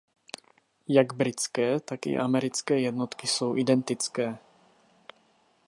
Jak britské tak i americké jednotky jsou identické.